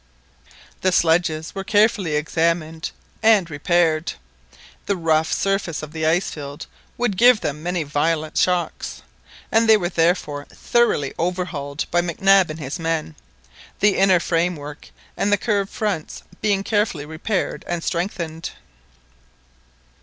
The sledges were carefully examined and repaired. The rough surface of the ice field would give them many violent shocks, and they were therefore thoroughly overhauled by Mac Nab and his men, the inner framework and the curved fronts being carefully repaired and strengthened.